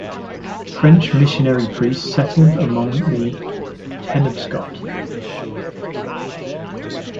French missionary priests settled among the Penobscot.